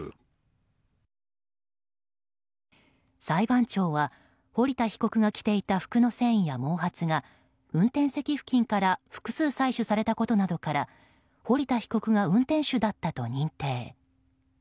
裁判長は堀田被告が着ていた服の繊維や毛髪が運転席付近から複数採取されたことなどから堀田被告が運転手だったと認定。